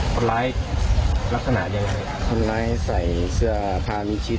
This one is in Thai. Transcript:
คนร้ายลักษณะยังไงคนร้ายใส่เสื้อพามิชิด